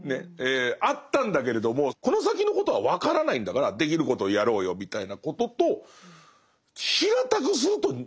あったんだけれどもこの先のことは分からないんだからできることをやろうよみたいなことと平たくするとまあ似てますよね。